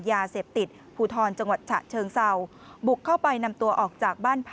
ต่างวันอาจารย์